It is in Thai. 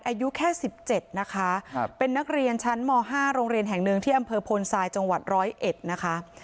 อายุแค่สิบเจ็ดนะคะเป็นนักเรียนชั้นมห้าโรงเรียนแห่งหนึ่งที่อัมเภอโพลซายจังหวัดร้อยเอ็ดนะคะ